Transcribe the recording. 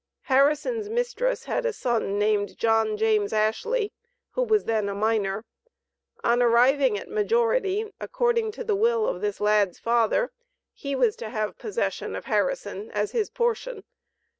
Harrison's mistress had a son named John James Ashley, who was then a minor. On arriving at majority, according to the will of this lad's father, he was to have possession of Harrison as his portion.